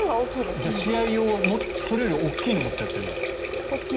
じゃあ、試合用はそれより大きいのを持ってやっているんだ。